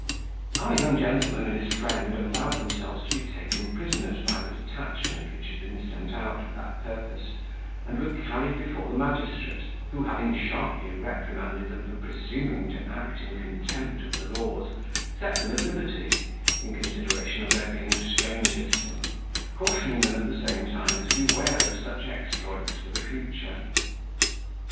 Our young gentleman and his friend allowed themselves to be taken prisoners by the detachment which had been sent out for that purpose, and were carried before the magistrate, who, having sharply reprimanded them for presuming to act in contempt of the laws, set them at liberty, in consideration of their being strangers; cautioning them, at the same time, to beware of such exploits for the future.